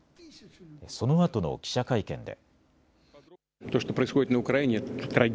そのあとの記者会見で。